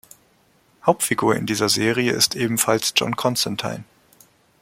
Hauptfigur in dieser Serie ist ebenfalls John Constantine.